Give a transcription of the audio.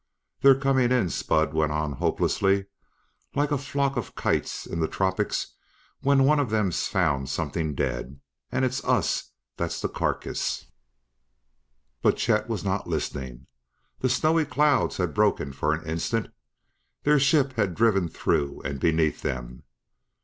"They're comin' in," Spud went on hopelessly, "like a flock of kites in the tropics when one of them's found somethin' dead and it's us that's the carcass!" But Chet was not listening. The snowy clouds had broken for an instant; their ship had driven through and beneath them.